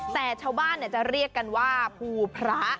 แต่ชาวบ้านจะเรียกกันว่าภูพระ